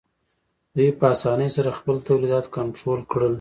دوی په اسانۍ سره خپل تولیدات کنټرول کړل